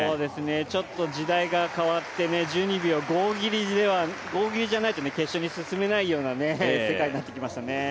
ちょっと時代が変わって、１２秒５切りじゃないと決勝に進めないような世界になってきましたね。